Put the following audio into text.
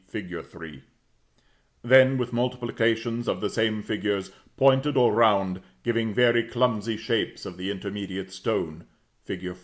fig. 3); then, with multiplications of the same figures, pointed or round, giving very clumsy shapes of the intermediate stone (fig.